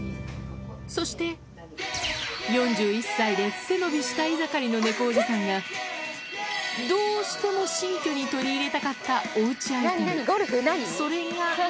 そして、４１歳で背伸びしたい盛りの猫おじさんが、どうしても新居に取り入れたかったおうちアイテム、それが。